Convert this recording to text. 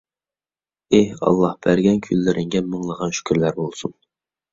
ئېھ ئاللاھ، بەرگەن كۈنلىرىڭگە مىڭلىغان شۈكۈرلەر بولسۇن!